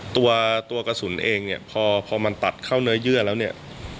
ตัวตัวกระสุนเองเนี่ยพอมันตัดเข้าเนื้อเยื่อแล้วเนี่ย